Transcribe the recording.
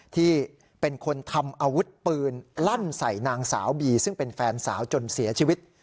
ที่เป็นคนทำอาวุธปืนลั่นใส่นางสาวบีซึ่งเป็นแฟนสาวจนเสียชีวิต